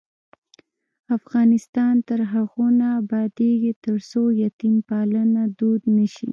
افغانستان تر هغو نه ابادیږي، ترڅو یتیم پالنه دود نشي.